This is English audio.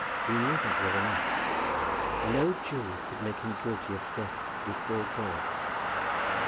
He knew that well enough. No jury could make him guilty of theft before God.